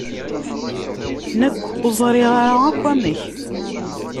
Nekk ur ẓriɣ ara akk amek.